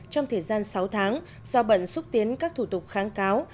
trong thời gian sáu tháng do bận xúc tiến các thủ tục kháng cáo